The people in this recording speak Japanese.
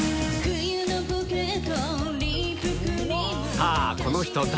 さあ、この人誰？